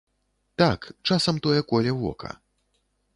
Так, часам тое коле вока.